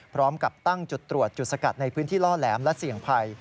พร้อมกับตั้งจุดตรวจจุดสกัดในพื้นที่ล่อแหลมและเสี่ยงภัย